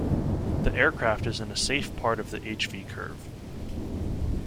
The aircraft is in a safe part of the H-V curve.